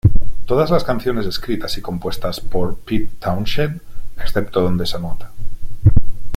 Todas las canciones escritas y compuestas por Pete Townshend excepto donde se anota.